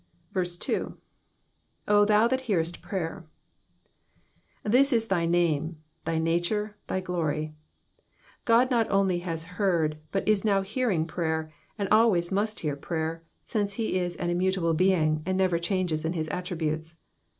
2. *'0 thou that hearest prayer. ^^ This is thy name, thy nature, thy glory. God not only has heard, but is now hearing prayer, and always must hear prayer, since he is an immutable being, and never changes in his attributes.